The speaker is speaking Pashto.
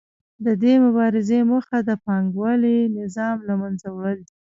د دې مبارزې موخه د پانګوالي نظام له منځه وړل دي